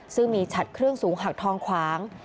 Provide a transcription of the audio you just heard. ซึ่งมีฉัดเครื่องสูงหักทองขวาง